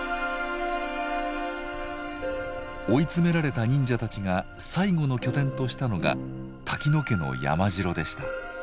追い詰められた忍者たちが最後の拠点としたのが瀧野家の山城でした。